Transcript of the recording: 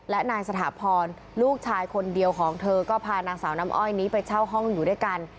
และนายสถาพรลูกชายคนเดียวของเธอก็พานางสาวน้ำอ้อยนี้ไปเช่าห้องอยู่ด้วยกัน